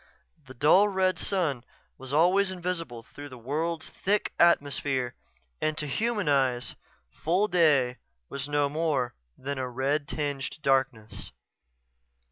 The dull red sun was always invisible through the world's thick atmosphere and to human eyes full day was no more than a red tinged darkness.